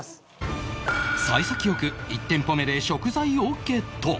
幸先良く１店舗目で食材をゲット